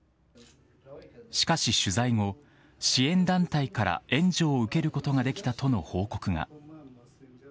しかし取材後、支援団体から援助を受けることができたとの報告が。